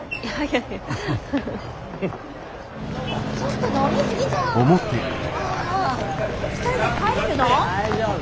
ちょっと飲み過ぎじゃん。